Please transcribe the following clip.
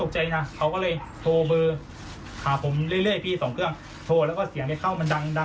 คือเขาเป็นห่วงแมวนะครับ